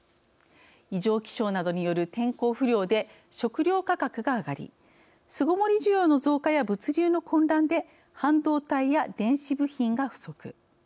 異常気象などによる天候不良で食糧価格が上がり巣ごもり需要の増加や物流の混乱で半導体や電子部品が不足。